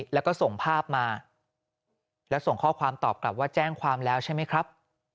แล้วก็ส่งภาพมาแล้วส่งข้อความตอบกลับว่าแจ้งความแล้วใช่ไหมครับ